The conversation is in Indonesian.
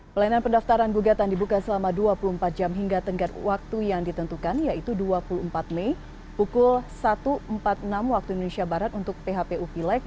pelayanan pendaftaran gugatan dibuka selama dua puluh empat jam hingga tenggat waktu yang ditentukan yaitu dua puluh empat mei pukul satu empat puluh enam waktu indonesia barat untuk phpu pileg